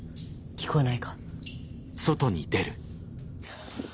聞こえないか？